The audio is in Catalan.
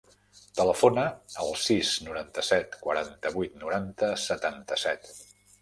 Telefona al sis, noranta-set, quaranta-vuit, noranta, setanta-set.